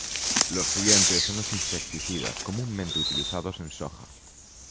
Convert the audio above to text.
Los siguientes son los insecticidas comúnmente utilizados en soja.